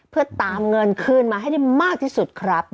เพื่อตามเงินคืนมาให้ได้มากที่สุดครับ